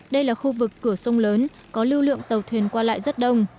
đây là khu vực cửa sông lớn có lưu lượng tàu thuyền qua lại rất đông